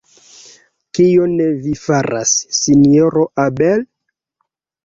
Kion Vi faras, Sinjoro Abel?